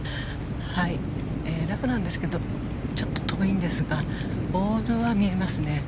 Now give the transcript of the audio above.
ラフなんですがちょっと遠いんですがボールは見えますね。